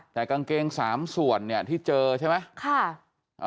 แต่กางเกง๓ส่วนที่เจอใช่ไหม